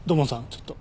ちょっと。